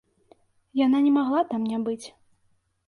Яна не магла там не быць.